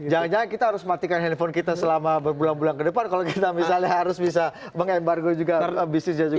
jangan jangan kita harus matikan handphone kita selama berbulan bulan ke depan kalau kita misalnya harus bisa mengembargo juga bisnisnya juga